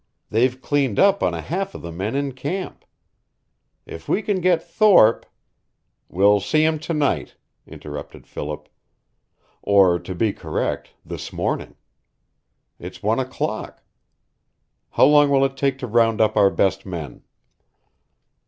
They've cleaned up on a half of the men in camp. If we can get Thorpe " "We'll see him to night," interrupted Philip. "Or to be correct, this morning. It's one o'clock. How long will it take to round up our best men?"